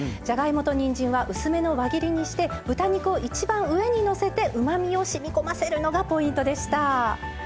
じゃがいもとにんじんは薄めの輪切りにして豚肉を一番上にのせてうまみをしみこませるのがポイントでした。